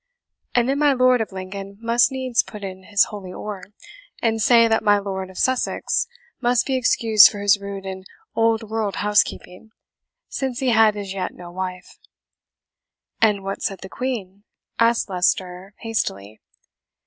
And then my Lord of Lincoln must needs put in his holy oar, and say that my Lord of Sussex must be excused for his rude and old world housekeeping, since he had as yet no wife." "And what said the Queen?" asked Leicester hastily.